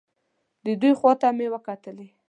د دوی خوا ته مې وکتلې.